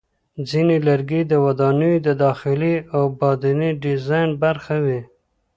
ځینې لرګي د ودانیو د داخلي او باندني ډیزاین برخه وي.